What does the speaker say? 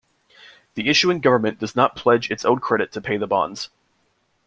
The issuing government does not pledge its own credit to pay the bonds.